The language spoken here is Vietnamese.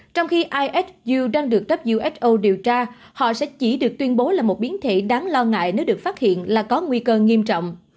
trong khi is you đang được who điều tra họ sẽ chỉ được tuyên bố là một biến thể đáng lo ngại nếu được phát hiện là có nguy cơ nghiêm trọng